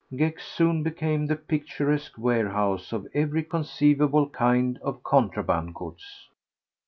Gex soon became the picturesque warehouse of every conceivable kind of contraband goods.